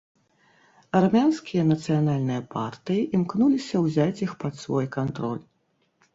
Армянскія нацыянальныя партыі імкнуліся ўзяць іх пад свой кантроль.